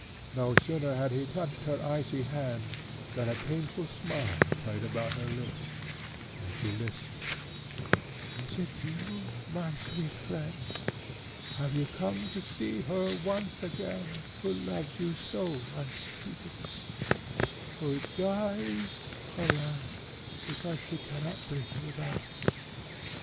No sooner had he touched her icy hand, than a painful smile played about her lips, and she lisped, "Is it you, my sweet friend? Have you come to see her once again, who loves you so unspeakably, who dies, alas! because she cannot breathe without you?"